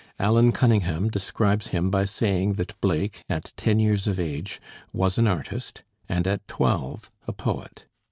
Allan Cunningham describes him by saying that Blake at ten years of age was an artist and at twelve a poet.